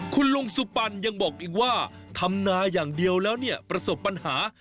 คุณลุงสุปันยังบอกอีกว่าทำนาอย่างเดียวแล้วเนี่ยประสบปัญหา